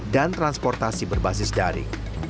dan transportasi berbasis daring